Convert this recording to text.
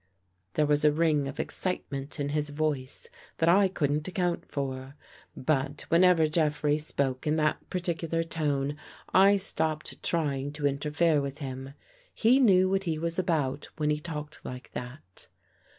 There was a ring of excitement in his voice that I couldn't account for. But, whenever Jeffrey spoke in' that particular tone, I stopped trying to in 7 89 THE GHOST GIRL terfere with him. He knew what he was about when he talked like that.